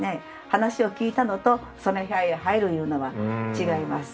話を聞いたのとその部屋へ入るいうのは違います